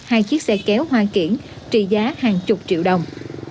hai chiếc xe kéo hoa kiển trị giá hàng chục triệu đồng